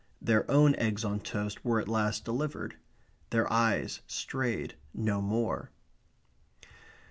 Their own eggs on toast were at last delivered. Their eyes strayed no more.